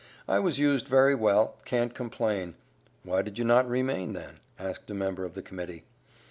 "I was used very well, can't complain." "Why did you not remain then?" asked a member of the Committee.